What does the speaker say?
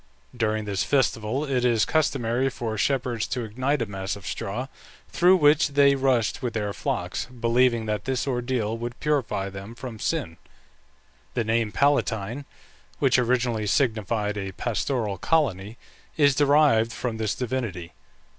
During this festival it was customary for shepherds to ignite a mass of straw, through which they rushed with their flocks, believing that this ordeal would purify them from sin. The name Palatine, which originally signified a pastoral colony, is derived from this divinity.